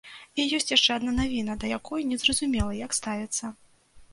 І ёсць яшчэ адна навіна, да якой незразумела, як ставіцца.